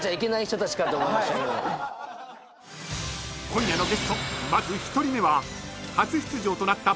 ［今夜のゲストまず１人目は］